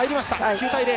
９対０。